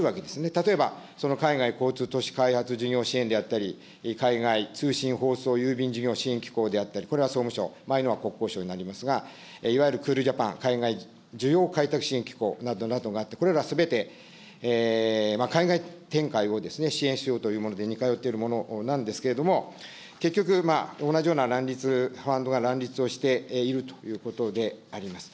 例えば、海外交通都市開発事業支援であったり、海外通信放送郵便事業支援機構であったり、これは総務省、前のは国交省になりますが、いわゆるクールジャパン、海外需要開拓支援機構、などなどがあって、これらすべて海外展開を支援しようというもので、似通っているものなんですけれども、結局、同じような乱立、ファンドが乱立をしているということであります。